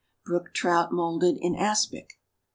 =Brook Trout Moulded in Aspic.